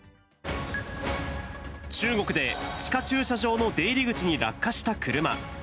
中国で地下駐車場の出入り口に落下した車。